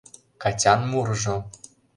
КАТЯН МУРЫЖО